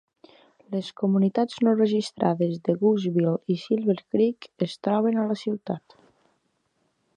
Les comunitats no registrades de Gooseville i Silver Creek es troben a la ciutat.